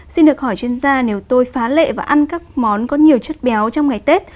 xin được hỏi chuyên gia nếu tôi phá lệ và ăn các món có nhiều chất béo trong ngày tết